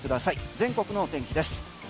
全国の天気です。